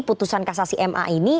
putusan kasasi ma ini